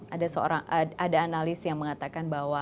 ada seorang ada analis yang mengatakan bahwa